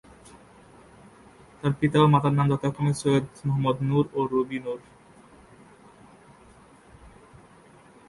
তার পিতা ও মাতার নাম যথাক্রমে সৈয়দ মহম্মদ নুর ও রুবি নুর।